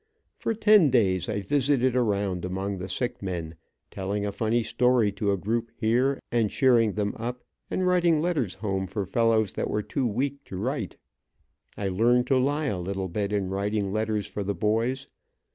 For ten days I visited around among the sick men, telling a funny story to a group here and and cheering them up, and writing letters home for fellows that were too weak to write. I learned to lie a little bit in writing letters for the boys.